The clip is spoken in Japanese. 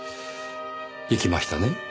行きましたね？